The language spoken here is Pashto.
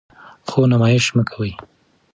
خو نمایش مه کوئ.